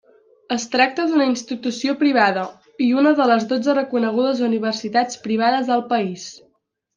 Es tracta d'una institució privada i una de les dotze reconegudes universitats privades al país.